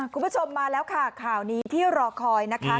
คุณผู้ชมมาแล้วค่ะข่าวนี้ที่รอคอยนะคะ